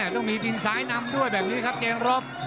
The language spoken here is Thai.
ต้องมีตีนซ้ายนำด้วยแบบนี้ครับเจนรบ